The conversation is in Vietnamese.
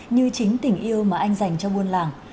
như chính tình yêu mà anh dành cho buôn làng